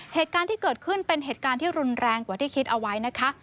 เหตุการณ์ที่เกิดขึ้นเป็นเหตุการณ์ที่รุนแรงกว่าที่คิดเอาไว้นะคะ